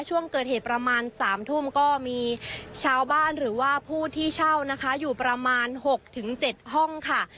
ช่วงเกิดเหตุประมาณ๓ทุ่มก็มีชาวบ้านหรือว่าผู้ที่เช่านะคะอยู่ประมาณ๖๗ห้องค่ะ